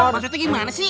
maksudnya gimana sih